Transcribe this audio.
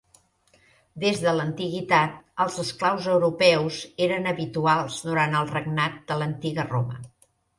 Des de l'antiguitat, els esclaus europeus eren habituals durant el regnat de l'antiga Roma.